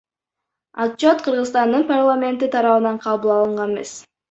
Отчет Кыргызстандын парламенти тарабынан кабыл алынган эмес.